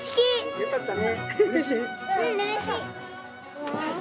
よかったね。